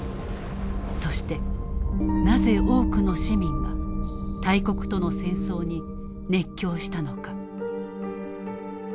そしてなぜ多くの市民が大国との戦争に熱狂したのか。